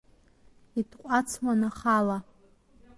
Итҟәацуан ахала.